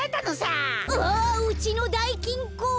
ああっうちのだいきんこ！